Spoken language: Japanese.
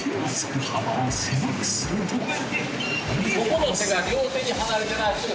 ここの手が両手で離れてないと。